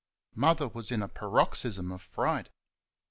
Mother was in a paroxysm of fright.